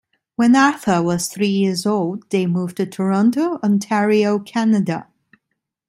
When Arthur was three years old, they moved to Toronto, Ontario, Canada.